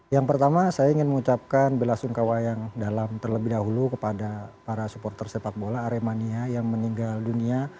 yang pertama saya ingin mengucapkan bela sungkawa yang dalam terlebih dahulu kepada para supporter sepak bola aremania yang meninggal dunia